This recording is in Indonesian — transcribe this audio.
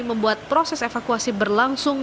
membuat proses evakuasi berlangsung